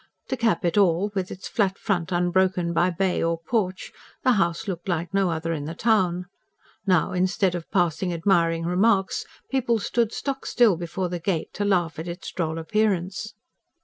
To cap it all, with its flat front unbroken by bay or porch, the house looked like no other in the town. Now, instead of passing admiring remarks, people stood stock still before the gate to laugh at its droll appearance.